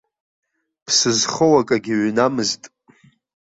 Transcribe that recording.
Ԥсы зхоу акагьы ҩнамызт.